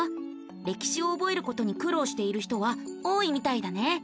歴史を覚えることに苦労している人は多いみたいだね。